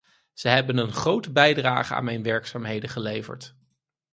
Ze hebben een grote bijdrage aan mijn werkzaamheden geleverd.